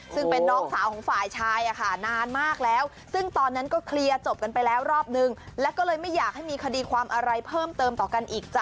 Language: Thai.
ซึ่งเป็นน้องสาวของฝ่ายชายนานมากแล้วซึ่งตอนนั้นก็เคลียร์จบกันไปแล้วรอบนึงแล้วก็เลยไม่อยากให้มีคดีความอะไรเพิ่มเติมต่อกันอีกจ้ะ